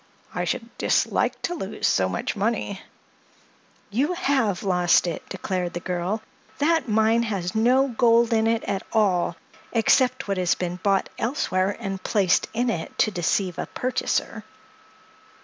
I should dislike to lose so much money." "You have lost it!" declared the girl. "That mine has no gold in it at all—except what has been bought elsewhere and placed in it to deceive a purchaser."